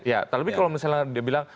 ya tapi kalau misalnya dia bilang